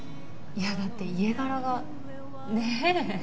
いやだって家柄がねえ？